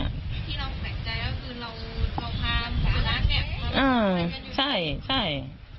อะใช่ใช่